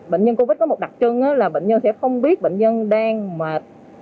bệnh nhân covid có một đặc trưng là bệnh nhân sẽ không biết bệnh nhân đang mà